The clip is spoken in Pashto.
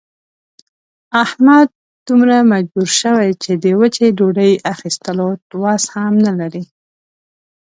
احمد دومره مجبور شوی چې د وچې ډوډۍ اخستلو وس هم نه لري.